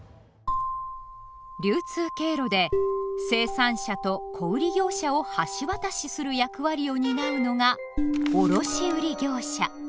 流通経路で生産者と小売業者を橋渡しする役割を担うのが「卸売業者」。